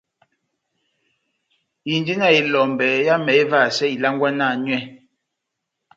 Indi na elombɛ yámɛ évahasɛ ilangwana nywɛ.